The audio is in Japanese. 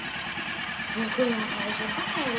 僕は最初からやで。